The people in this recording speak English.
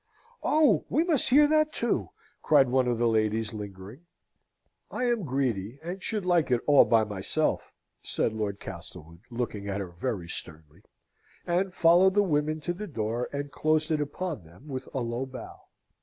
"Oh, we must hear that too!" cried one of the ladies, lingering. "I am greedy, and should like it all by myself," said Lord Castlewood, looking at her very sternly; and followed the women to the door, and closed it upon them with a low bow.